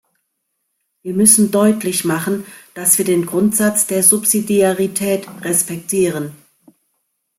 Wir müssen deutlich machen, dass wir den Grundsatz der Subsidiarität respektieren.